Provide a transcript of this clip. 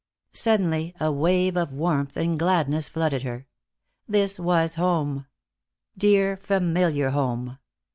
Suddenly a wave of warmth and gladness flooded her. This was home. Dear, familiar home.